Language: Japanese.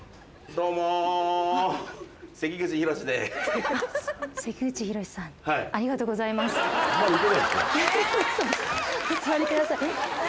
どうぞお座りください。